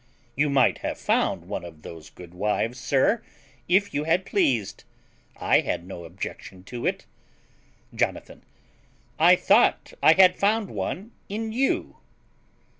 You might have found one of those good wives, sir, if you had pleased; I had no objection to it. Jonathan. I thought I had found one in you.